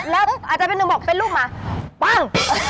แล้วอาจารย์เป็นหนึ่งบอกเป็นรูปหมาปั้ง